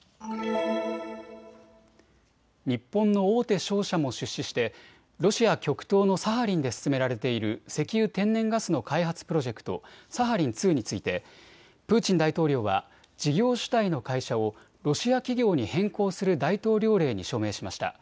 日本の大手商社も出資してロシア極東のサハリンで進められている石油・天然ガスの開発プロジェクト、サハリン２についてプーチン大統領は事業主体の会社をロシア企業に変更する大統領令に署名しました。